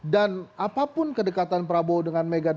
dan apapun kedekatan prabowo dengan megawati